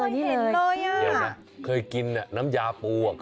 นี่เลยค่อยเห็นเลยอ่ะเคยกินน้ำยาปูอ่ะเคย